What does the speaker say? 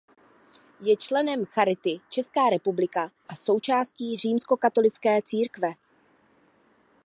Je členem Charity Česká republika a součástí římskokatolické církve.